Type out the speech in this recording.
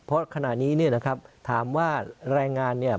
เพราะขณะนี้เนี่ยนะครับถามว่าแรงงานเนี่ย